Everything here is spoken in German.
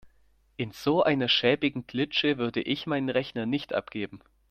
In so einer schäbigen Klitsche würde ich meinen Rechner nicht abgeben.